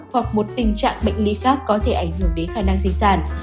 hoặc một tình trạng bệnh lý khác có thể ảnh hưởng đến khả năng di sản